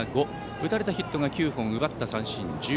打たれたヒットが９本奪った三振１８